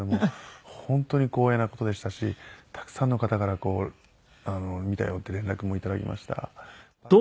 本当に光栄な事でしたしたくさんの方から「見たよ」って連絡も頂きました。